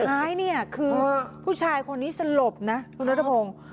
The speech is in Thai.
ท้ายเนี่ยคือผู้ชายคนนี้สลบนะคุณนัทพงศ์